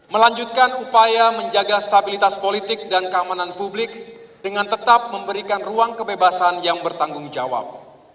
melanjutkan upaya menjaga stabilitas politik dan keamanan publik dengan tetap memberikan ruang kebebasan yang bertanggung jawab